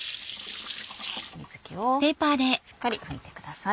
水気をしっかり拭いてください。